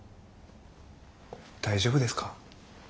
大丈夫ですか？